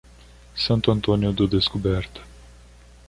Santo Antônio do Descoberto